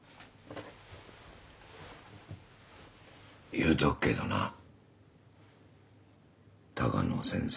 言うとくけどな鷹野先生。